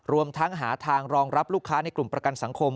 รวมทั้งหาทางรองรับลูกค้าในกลุ่มประกันสังคม